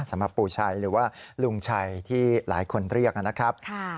สำหรับปู่ชัยหรือว่าลุงชัยที่หลายคนเรียกนะครับ